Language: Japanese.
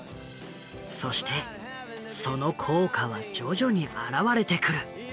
そしてその効果は徐々に現れてくる。